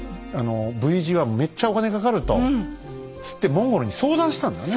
Ｖ字はめっちゃお金かかるとつってモンゴルに相談したんだね。